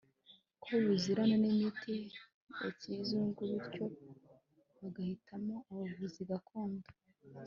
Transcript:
ko buzirana n'imiti ya kizungu bityo bagahitamo abavuzi gakondo